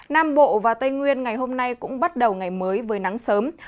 nam bộ và tây nguyên ngày hôm nay cũng bắt đầu ngày mới với nắng sớm